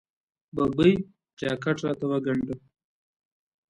ببۍ! جاکټ راته وګنډه.